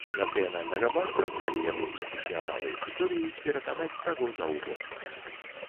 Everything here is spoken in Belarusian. Нацыянальнага банка, калі яны прафесіяналы, здолеюць пераканаць каго заўгодна.